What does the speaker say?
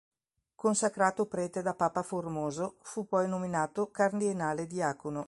Consacrato prete da papa Formoso, fu poi nominato cardinale diacono.